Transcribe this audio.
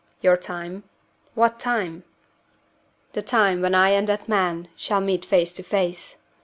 "Your time? What time?" "The time when I and that man shall meet face to face.